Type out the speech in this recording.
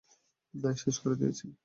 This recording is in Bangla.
শেষ করে দিয়েছি!